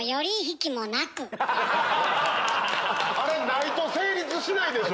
ないと成立しないでしょ！